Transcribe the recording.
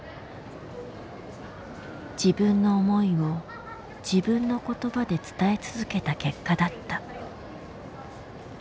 自分の思いを自分の言葉で伝え続けた結果だった。